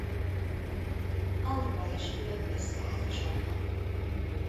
Aurora és Fülöp összeházasodnak.